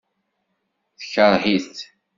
Tekṛeh-it.